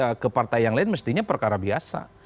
karena sandi ini ke partai yang lain mestinya perkara biasa